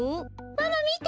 ママみて。